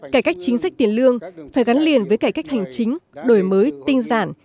cải cách chính sách tiền lương phải gắn liền với cải cách hành chính đổi mới tinh giản